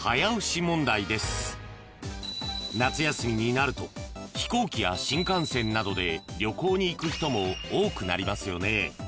［夏休みになると飛行機や新幹線などで旅行に行く人も多くなりますよね］